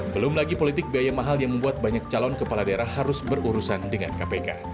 belum lagi politik biaya mahal yang membuat banyak calon kepala daerah harus berurusan dengan kpk